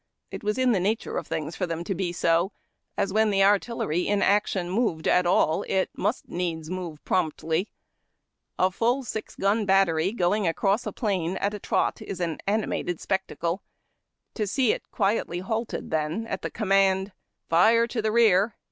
It was in the nature of things for them to be so, as when the artillery in action moved at all it must needs move promptly. A full six gun battery going across A DAY IN CAMP. 185 a plain at a trot is an animated spectacle. To see it quietly halted, then, at the command, " Fire to the rear.